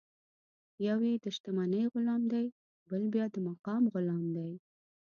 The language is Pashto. یو یې د شتمنۍ غلام دی، بل بیا د مقام غلام دی.